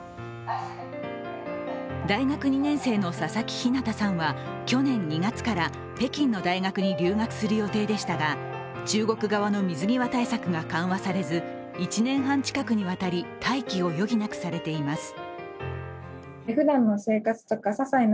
大学２年生の佐々木陽向さんは、去年２月から北京の大学に留学する予定でしたが、中国側の水際対策が緩和されず１年半近くにわたり待機を余儀なくされています。